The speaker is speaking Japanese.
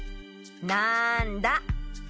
なんだ？